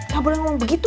gak boleh ngomong begitu